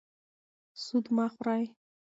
سود مه خورئ.